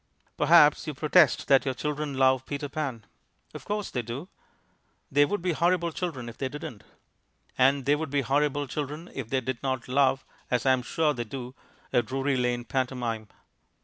Perhaps you protest that your children love Peter Pan. Of course they do. They would be horrible children if they didn't. And they would be horrible children if they did not love (as I am sure they do) a Drury Lane pantomime.